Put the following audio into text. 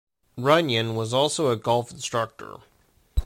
Runyan was also a golf instructor.